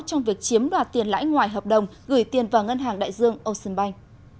trong việc chiếm đoạt tiền lãi ngoài hợp đồng gửi tiền vào ngân hàng đại dương ocean bank